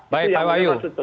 baik pak wahyu